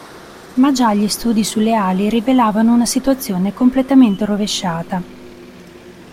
Ma già gli studi sulle ali rivelavano una situazione completamente rovesciata.